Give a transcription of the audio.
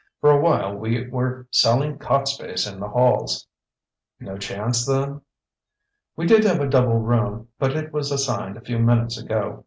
For a while we were selling cot space in the halls." "No chance then?" "We did have a double room but it was assigned a few minutes ago.